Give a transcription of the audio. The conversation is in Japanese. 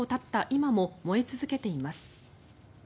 今も燃え続けています。